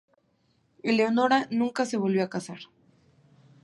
Eleonora nunca se volvió a casar.